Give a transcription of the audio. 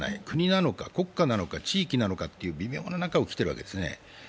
国なのか国家なのか地域なのかとう微妙な中をきているわけですね。